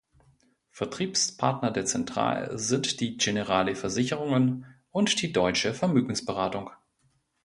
Vertriebspartner der Central sind die Generali Versicherungen und die Deutsche Vermögensberatung.